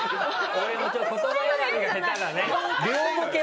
俺の言葉選びが下手だね。